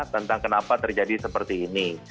tentang kenapa terjadi seperti ini